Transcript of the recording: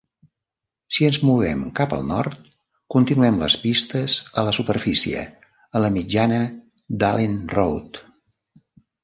Si ens movem cap al nord, continuen les pistes a la superfície, a la mitjana d"Allen Road.